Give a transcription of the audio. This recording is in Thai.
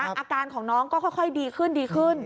อาการของน้องก็ค่อยดีขึ้น